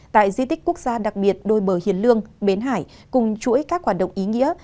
tại di tích quốc gia đặc biệt đôi bờ hiền lương bến hải cùng chuỗi các hoạt động ý nghĩa